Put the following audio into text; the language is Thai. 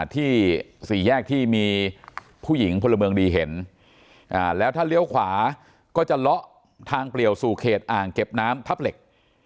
สี่แยกที่มีผู้หญิงพลเมืองดีเห็นแล้วถ้าเลี้ยวขวาก็จะเลาะทางเปลี่ยวสู่เขตอ่างเก็บน้ำทับเหล็ก